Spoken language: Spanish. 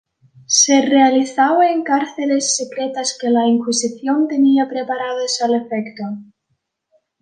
Se realizaba en cárceles secretas que la Inquisición tenía preparadas al efecto.